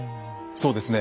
そうですね。